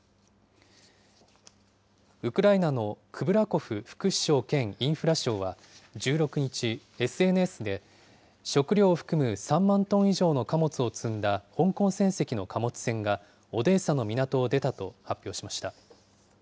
ウクライナのクブラコフ副首相兼インフラ相は１６日、ＳＮＳで、食料を含む３万トン以上の貨物を積んだ香港船籍の貨物船がオデーサの港を出たと発表しました。